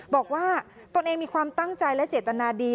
บอกว่าตัวเองมีความตั้งใจและเจตนาดี